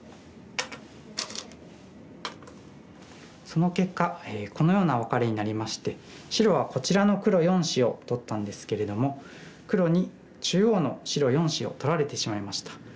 その結果このようなワカレになりまして白はこちらの黒４子を取ったんですけれども黒に中央の白４子を取られてしまいました。